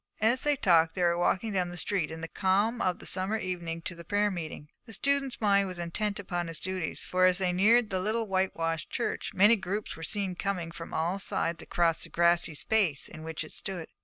As they talked they were walking down the street in the calm of the summer evening to the prayer meeting. The student's mind was intent upon his duties, for, as they neared the little white washed church, many groups were seen coming from all sides across the grassy space in which it stood.